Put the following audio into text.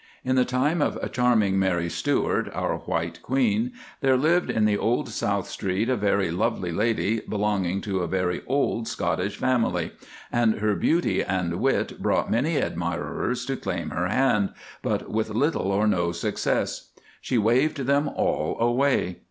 In the time of charming Mary Stuart, our white Queen, there lived in the old South Street a very lovely lady belonging to a very old Scottish family, and her beauty and wit brought many admirers to claim her hand, but with little or no success. She waved them all away.